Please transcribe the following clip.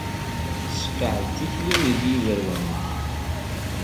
Sseqɛed tikli-w deg yiberdan-ik.